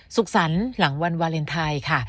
สุขสรรค์หลังวันวาเลนไทยค่ะ